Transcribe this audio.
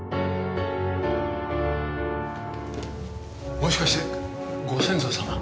もしかしてご先祖様？